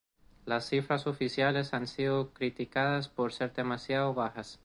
Las cifras oficiales han sido criticadas por ser demasiado bajas.